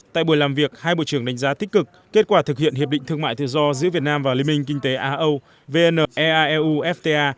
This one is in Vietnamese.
tại buổi làm việc hai bộ trưởng đánh giá tích cực kết quả thực hiện hiệp định thương mại thứ do giữa việt nam và liên minh kinh tế a âu vn ea eu fta